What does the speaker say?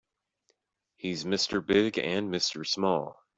He's Mr. Big and Mr. Small.